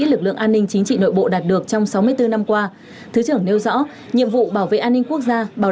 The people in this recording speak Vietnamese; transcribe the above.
lực lượng an ninh chính trị nội bộ đạt được trong sáu mươi bốn năm qua thứ trưởng nêu rõ nhiệm vụ bảo vệ an ninh quốc gia bảo